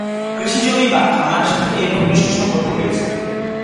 কৃষিজমি বা খামারের সাথে এর ঘনিষ্ঠ সম্পর্ক রয়েছে।